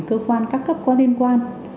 cơ quan các cấp có liên quan